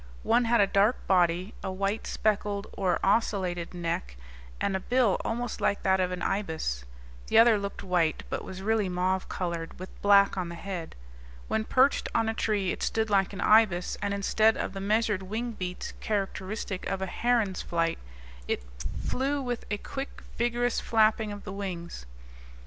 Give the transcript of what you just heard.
One had a dark body, a white speckled or ocellated neck, and a bill almost like that of an ibis. The other looked white, but was really mauve colored, with black on the head. When perched on a tree it stood like an ibis; and instead of the measured wing beats characteristic of a heron's flight, it flew with a quick, vigorous flapping of the wings.